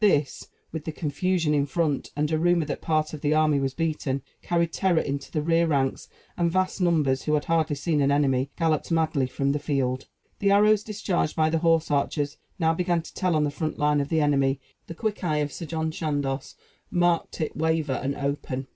This, with the confusion in front, and a rumor that part of the army was beaten, carried terror into the rear ranks, and vast numbers, who had hardly seen an enemy, galloped madly from the field. The arrows discharged by the horse archers now began to tell on the front line of the enemy: the quick eye of Sir John Chandos marked it waver and open.